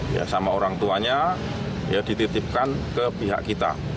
ya sama orang tuanya ya dititipkan ke pihak kita